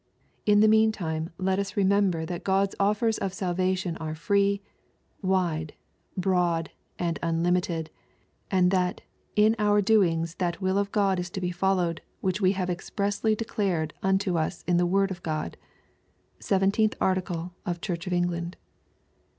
In the mean time, let us remember that God's offers of salvation are free, wide, broad, and unlimited, and that ^Mn our do* ings that will of God is to be followed which we have expressly declared unto us in the Word of God." (Vlth Article of Church of England.)